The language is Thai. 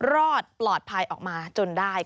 รอดปลอดภัยออกมาจนได้